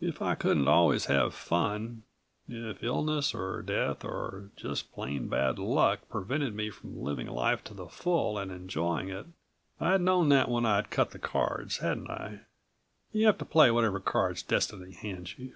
If I couldn't always have fun, if illness or death or just plain bad luck prevented me from living life to the full and enjoying it ... I'd known that when I'd cut the cards, hadn't I? You have to play whatever cards destiny hands you.